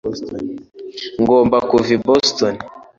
Ngomba kuva i Boston